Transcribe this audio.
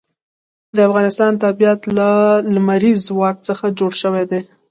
د افغانستان طبیعت له لمریز ځواک څخه جوړ شوی دی.